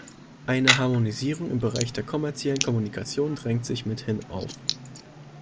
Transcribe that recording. Eine Harmonisierung im Bereich der kommerziellen Kommunikation drängt sich mithin auf.